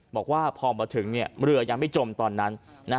บอกว่าพอมาถึงเรือยังไม่จมตอนนั้น